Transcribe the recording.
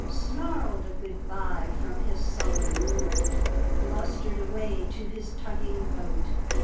Snarled a good bye from his sullen throat, Blustered away to his tugging boat.